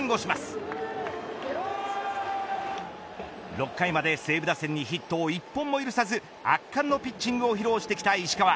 ６回まで西武打線にヒットを１本も許さず圧巻のピッチングを披露してきた石川。